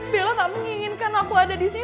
bella gak menginginkan aku ada disini